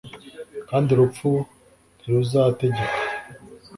kandi urupfu ntiruzategeka